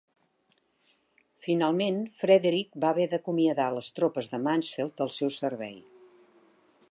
Finalment, Frederick va haver d'acomiadar a les tropes de Mansfeld del seu servei.